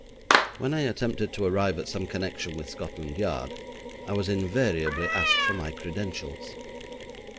When I attempted to arrive at some connection with Scotland Yard, I was invariably asked for my credentials.